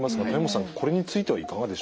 これについてはいかがでしょうか。